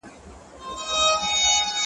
د ځنګله شهنشاه پروت وو لکه مړی `